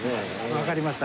わかりました。